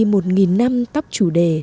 một nghìn năm tóc chủ đề